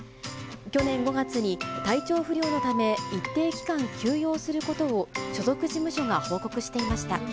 去年５月に、体調不良のため、一定期間、休養することを、所属事務所が報告していました。